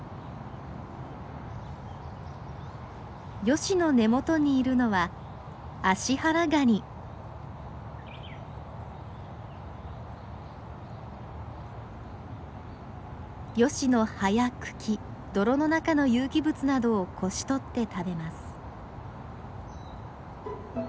ヨシの根元にいるのはヨシの葉や茎泥の中の有機物などをこし取って食べます。